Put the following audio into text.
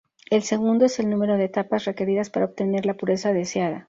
El segundo es el número de etapas requeridas para obtener la pureza deseada.